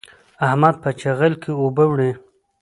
احمد په چيغل کې اوبه وړي.